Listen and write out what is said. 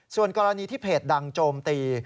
ส่วนกรณีที่เพจดังโจมตี